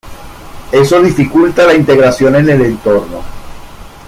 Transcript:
Eso dificulta la integración en el entorno.